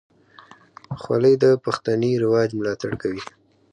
خولۍ د پښتني رواج ملاتړ کوي.